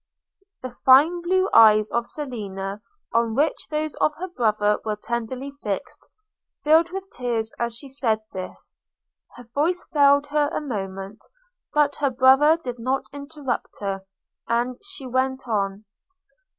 The fine blue eyes of Selina, on which those of her brother were tenderly fixed, filled with tears as she said this – her voice failed her a moment – but her brother did not interrupt her and she went on –